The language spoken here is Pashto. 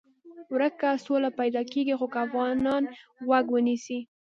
ورکه سوله پیدا کېږي خو که افغانان غوږ ونیسي.